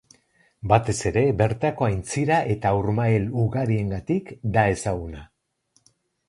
Batez ere bertako aintzira eta urmael ugariengatik da ezaguna.